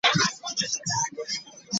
Abakungu baffe bonna bamanyi ekiriwo.